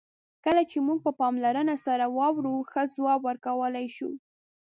کله چې موږ په پاملرنه سره واورو، ښه ځواب ورکولای شو.